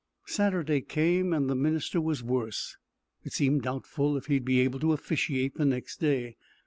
Saturday came, and the minister was worse. It seemed doubtful if he would be able to officiate the next day.